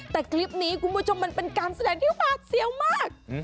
แต่คลิปนี้คุณผู้ชมมันเป็นการแสดงที่หวาดเสียวมาก